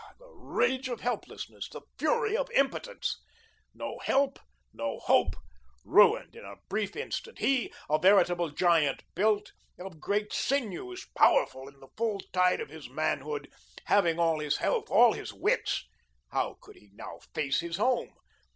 Ah, the rage of helplessness, the fury of impotence! No help, no hope, ruined in a brief instant he a veritable giant, built of great sinews, powerful, in the full tide of his manhood, having all his health, all his wits. How could he now face his home?